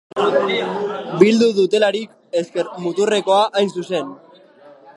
Bildu dituelarik, ezker-muturrekoa hain zuzen.